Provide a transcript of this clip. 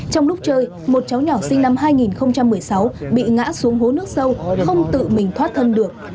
trong lúc chơi một cháu nhỏ sinh năm hai nghìn một mươi sáu bị ngã xuống hố nước sâu không tự mình thoát thân được